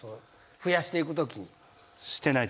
増やしていくときに。